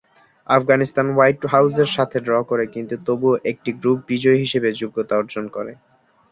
Afghanistan white হাউসের সাথে draw করে কিন্তু তবুও একটি গ্রুপ বিজয়ী হিসেবে যোগ্যতা অর্জন করে।